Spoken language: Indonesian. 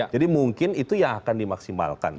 jadi mungkin itu yang akan dimaksimalkan